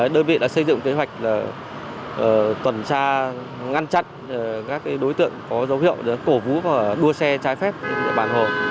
đơn vị đã xây dựng kế hoạch tuần tra ngăn chặn các đối tượng có dấu hiệu cổ vũ và đua xe trái phép trên địa bàn hồ